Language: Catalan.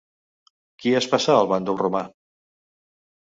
Qui es passà al bàndol romà?